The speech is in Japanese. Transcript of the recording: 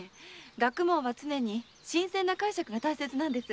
学問は常に新鮮な解釈が大切なんです。